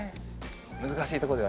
難しいとこでは。